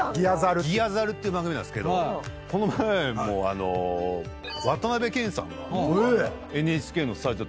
『ギア猿』っていう番組なんですけどこの前も渡辺謙さんがＮＨＫのスタジオだんと入ってきて。